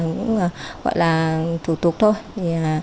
cũng gọi là thủ tục thôi